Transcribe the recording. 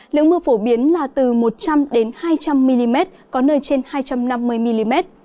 lượng mưa phổ biến là từ một trăm linh hai trăm linh mm có nơi trên hai trăm năm mươi mm